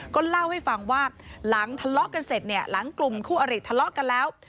ก็เล่าให้ฟังว่าหลังทะเลาะกันเสร็จเนี่ยหลังกลุ่มคู่อริทะเลาะกันแล้ว